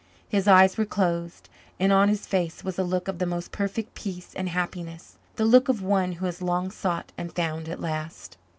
His eyes were closed and on his face was a look of the most perfect peace and happiness the look of one who has long sought and found at last.